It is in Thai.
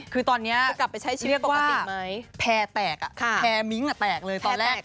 คือตอนนี้เรียกว่าแพร่แตกอะแพร่มิ้งค์อะแตกเลยตอนแรก